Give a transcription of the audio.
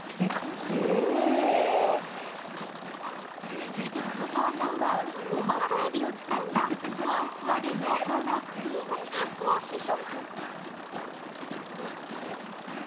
続いて黒沢さんはオマールえびを使ったふわっふわで濃厚なクリームスープを試食。